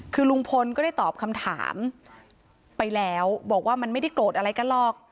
คือลุงพลก็ได้ตอบคำถามไปแล้วบอกว่ามันไม่ได้โกรธอะไรกันหรอก